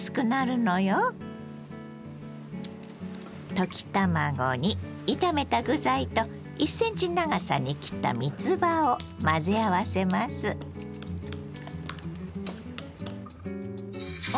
溶き卵に炒めた具材と１ｃｍ長さに切ったみつばを混ぜ合わせます。